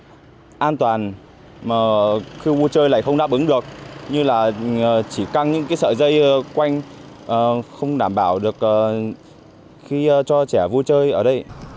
cái an toàn mà khi vui chơi lại không đáp ứng được như là chỉ căng những cái sợi dây quanh không đảm bảo được khi cho trẻ vui chơi ở đây